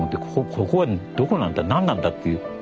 ここはどこなんだ何なんだっていう。